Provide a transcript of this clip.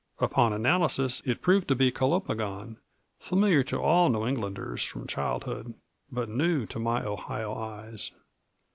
Upon analysis it proved to be calopogon, familiar to all New Englanders from childhood, but new to my Ohio eyes.